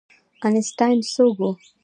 آینسټاین څوک و؟